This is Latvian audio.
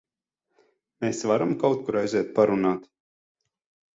Mēs varam kaut kur aiziet parunāt?